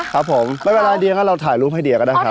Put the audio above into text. ครับผมไม่เป็นไรเดียงั้นเราถ่ายรูปให้เดียก็ได้ครับ